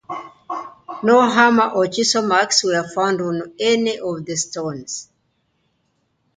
No hammer or chisel marks were found on any of the stones.